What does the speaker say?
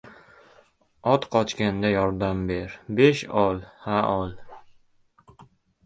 Ot qochganda ushlashga yordam ber — besh! Ol, ha-ol!